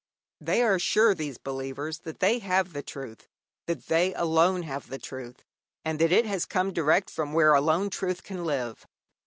They are sure, these believers, that they have the truth, that they alone have the truth, and that it has come direct from where alone truth can live.